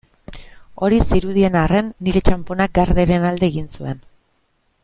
Hori zirudien arren, nire txanponak Garderen alde egin zuen.